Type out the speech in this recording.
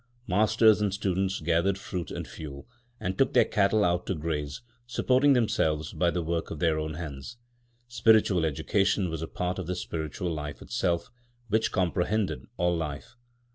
Masters and students gathered fruit and fuel, and took their cattle out to graze, supporting themselves by the work of their own hands. Spiritual education was a part of the spiritual life itself, which comprehended all life.